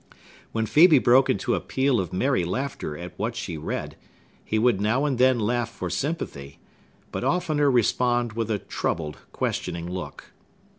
When Phœbe broke into a peal of merry laughter at what she read, he would now and then laugh for sympathy, but oftener respond with a troubled, questioning look.